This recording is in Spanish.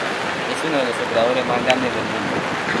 Es uno de los operadores más grandes del mundo.